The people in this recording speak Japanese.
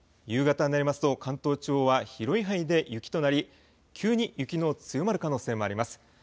夕方になりますと関東地方は広い範囲で雪となり急に雪の強まる可能性もあります。